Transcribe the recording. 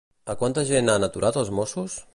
A quanta gent han aturat els Mossos?